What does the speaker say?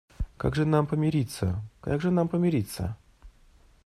Как же нам помириться, как же нам помириться?